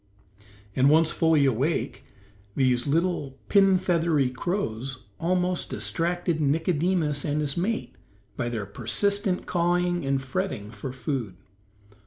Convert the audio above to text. And once fully awake, these little pin feathery crows almost distracted Nicodemus and his mate by their persistent cawing and fretting for food.